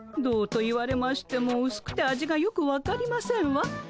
どうと言われましてもうすくて味がよく分かりませんわ。